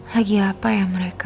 lagi apa ya mereka